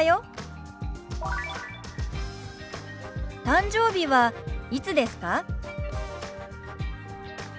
誕生日はいつですか？